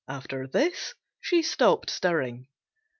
After this she stopped stirring.